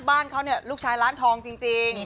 บ้านเขาเนี่ยลูกชายร้านทองจริง